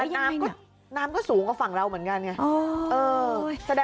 น้ำก็สูงกว่าฝั่งเราเหมือนกันไง